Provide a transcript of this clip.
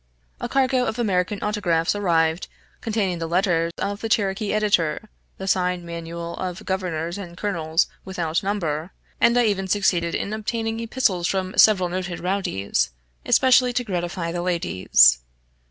A cargo of American autographs arrived containing the letter of the Cherokee editor, the sign manual of governors and colonels without number, and I even succeeded in obtaining epistles from several noted rowdies, especially to gratify the ladies.